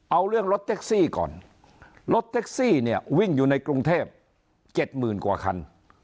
เอาเรื่องรถแท็กซี่ก่อนรถแท็กซี่เนี่ยวิ่งอยู่ในกรุงเทพ๗๐๐กว่าคัน